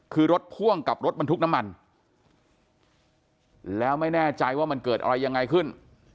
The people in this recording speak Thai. คือรถพ่วงกับรถบรรทุกน้ำมันแล้วไม่แน่ใจว่ามันเกิดอะไรยังไงขึ้น